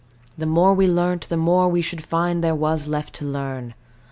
The more we learnt, the more we should find there was left to learn.